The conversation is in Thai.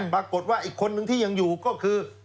ปรากฏว่าอีกคนนึงที่ยังอยู่ก็คือ